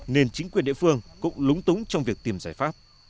nên chính quyền địa phương cũng lúng túng trong việc tìm giải pháp